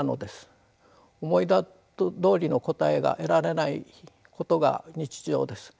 思いどおりの答えが得られないことが日常です。